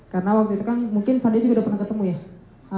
karena waktu itu kan mungkin fadia juga udah pernah ketemu ya